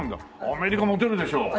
アメリカモテるでしょう？